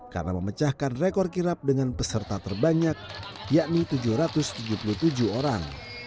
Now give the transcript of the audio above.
karena memecahkan rekor kirap dengan peserta terbanyak yakni tujuh ratus tujuh puluh tujuh orang